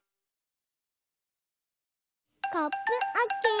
コップオッケー！